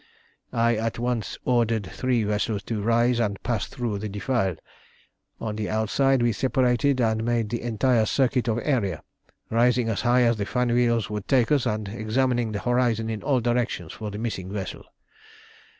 "I at once ordered three vessels to rise and pass through the defile. On the outside we separated and made the entire circuit of Aeria, rising as high as the fan wheels would take us, and examining the horizon in all directions for the missing vessel.